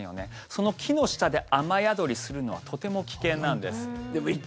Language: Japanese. その木の下で雨宿りするのはとても危険なんです。